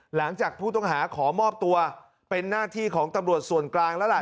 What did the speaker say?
หลังจากผู้ต้องหาขอมอบตัวเป็นหน้าที่ของตำรวจส่วนกลางแล้วล่ะ